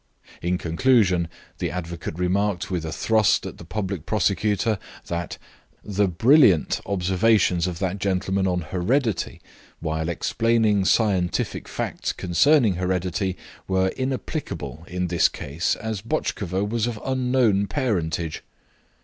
In conclusion the advocate remarked, with a thrust at the public prosecutor, that "the brilliant observations of that gentleman on heredity, while explaining scientific facts concerning heredity, were inapplicable in this case, as Botchkova was of unknown parentage."